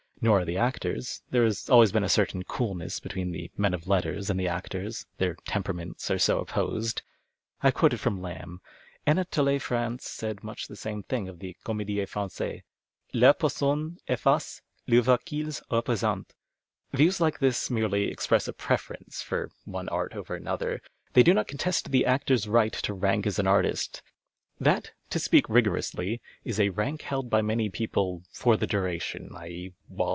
Nor are the actors. There has always been a certain coolness between the men of letters and the actors — their temj)eraments are so o})i)osed. I have (pioted from Lamb. Anatole France said much the same thing of the Comcdie Fran^aisc —" Leur pcrsonne efface I'cnivre qu'ils rcprc.scntent."' Views like these merely 101 ACTING AS ART express a preference for one art o^■e^ aiiothcr. They do not contest the actor's right to rank as an artist. That, to speak rigoronsly, is a rank held by many people " for the duration "— i.